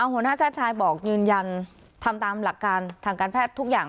หัวหน้าชาติชายบอกยืนยันทำตามหลักการทางการแพทย์ทุกอย่าง